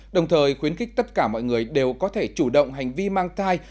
đồng thời khuyến khích tất cả mọi người đều có thể chủ động hành vi mang thai